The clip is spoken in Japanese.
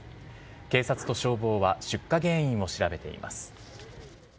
警察と消防は出火原因を調べています。